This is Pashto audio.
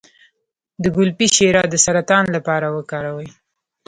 د ګلپي شیره د سرطان لپاره وکاروئ